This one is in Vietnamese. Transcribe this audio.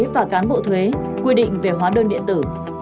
và cán bộ thuế quy định về hóa đơn điện tử